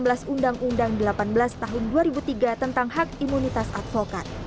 undang undang delapan belas tahun dua ribu tiga tentang hak imunitas advokat